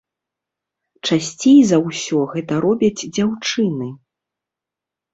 Часцей за ўсё гэта робяць дзяўчыны.